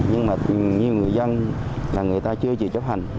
nhưng mà nhiều người dân là người ta chưa chịu chấp hành